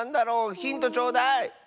ヒントちょうだい！